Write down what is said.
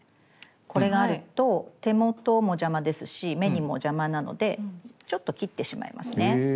これがあると手元も邪魔ですし目にも邪魔なのでちょっと切ってしまいますね。